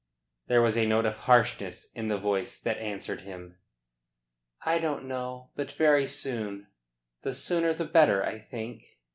There was a note of harshness in the voice that answered him. "I don't know yet. But very soon. The sooner the better, I think."